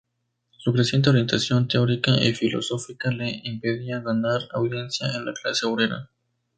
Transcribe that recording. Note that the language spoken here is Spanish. Su creciente orientación teórica y filosófica le impedían ganar audiencia en la clase obrera.